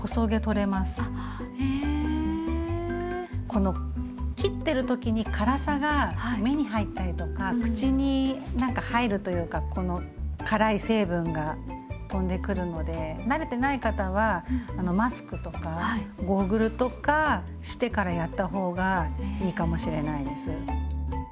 この切ってる時に辛さが目に入ったりとか口に何か入るというかこの辛い成分が飛んでくるので慣れてない方はマスクとかゴーグルとかしてからやった方がいいかもしれないです。